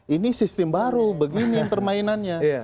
ini sistem baru begini permainannya